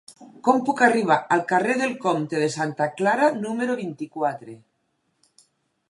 Com puc arribar al carrer del Comte de Santa Clara número vint-i-quatre?